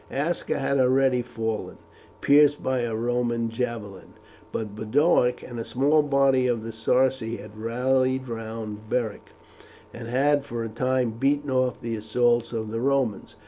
Aska had already fallen, pierced by a Roman javelin; but Boduoc and a small body of the Sarci had rallied round Beric, and had for a time beaten off the assaults of the Romans.